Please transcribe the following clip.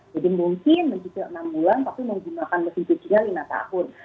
jadi mungkin mencicil enam bulan pasti menggunakan mesin cucinya lima tahun